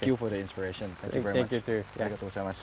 คุณต้องเป็นผู้งาน